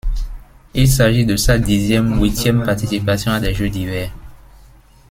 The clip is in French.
Il s'agit de sa dixième-huitième participation à des Jeux d'hiver.